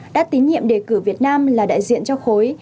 đã tín nhiệm đề cử việt nam là đại diện cho khối